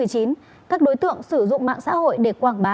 các đối tượng sử dụng mạng xã hội để quảng bá